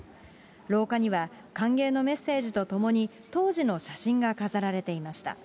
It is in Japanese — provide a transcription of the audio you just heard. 廊下には、歓迎のメッセージとともに、当時の写真が飾られていました。